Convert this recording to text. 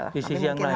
di sisi yang lain ya